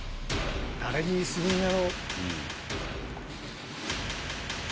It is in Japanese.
誰にするんやろ？